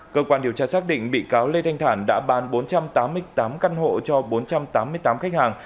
cơ quan điều tra xác định bị cáo lê thanh thản đã bán bốn trăm tám mươi tám căn hộ cho bốn trăm tám mươi tám khách hàng